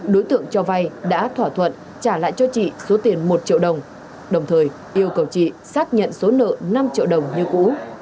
đối tượng cho vay đã thỏa thuận trả lại cho chị số tiền một triệu đồng đồng thời yêu cầu chị xác nhận số nợ năm triệu đồng như cũ